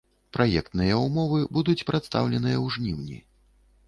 Праектныя ўмовы будуць прадстаўленыя ў жніўні.